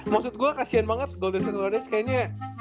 maksud gue kasihan banget golden state warriors kayaknya